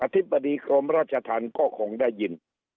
ธิบดีกรมราชธรรมก็คงได้ยิน